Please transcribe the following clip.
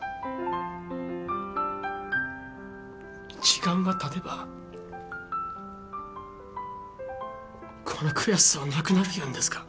時間が経てばこの悔しさはなくなる言うんですか？